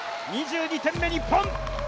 ２２点目、日本。